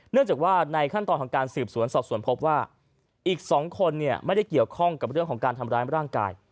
เนื่องจากว่าในขั้นตอนของการสืบสวนสอบสวนพบว่าอีก๒คนไม่ได้เกี่ยวข้องกับเรื่องของการทำร้ายร่างกาย